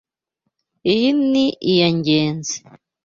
Iyi ni iya Ngenzi.